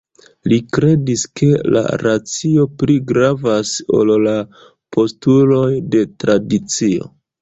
Li kredis ke la racio pli gravas ol la postuloj de tradicio.